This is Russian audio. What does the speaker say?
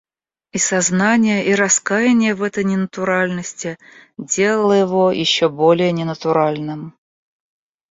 И сознание и раскаяние в этой ненатуральности делало его еще более ненатуральным.